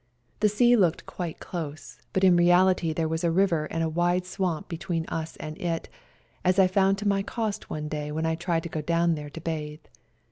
The sea looked quite close, but in reality there was a river and a wide swamp between us and it, as I found to my cost one day when I tried to go down there to bathe.